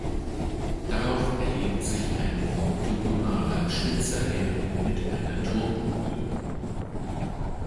Darauf erhebt sich ein oktogonaler spitzer Helm mit einer Turmkugel.